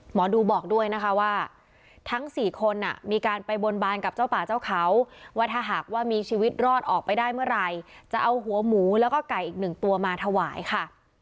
หมอดูบอกด้วยนะคะว่าทั้ง๔คนมีการไปบนบานกับเจ้าป่าเจ้าเขาว่าถ้าหากว่ามีชีวิตรอดออกไปได้เมื่อไหร่จะเอาหัวหมูแล้วก็ไก่อีกหนึ่งตัวมาถวายค่ะ